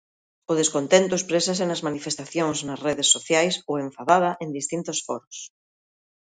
O descontento exprésase nas manifestacións, nas redes sociais ou enfadada en distintos foros.